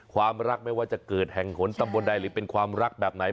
ความรักไม่ว่าจะเกิดแห่งหนตำบลใดหรือเป็นความรักแบบไหน